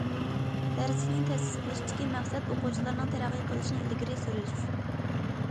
دەرسلىكنى تەسىس قىلىشتىكى مەقسەت ئوقۇغۇچىلارنىڭ تەرەققىي قىلىشىنى ئىلگىرى سۈرۈش.